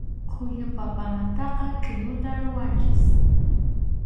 Khullu papamantaqa chʼuñuta ruranchik.